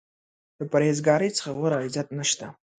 د پرهیز ګارۍ څخه غوره عزت نشته.